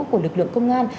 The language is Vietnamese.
của lực lượng công an